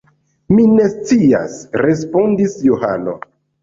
Mi ne scias, respondis Johano.